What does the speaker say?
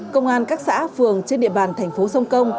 công an các xã phường trên địa bàn thành phố sông công